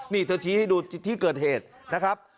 นี่เธอชี้ให้ดูที่เกิดเหตุนะครับ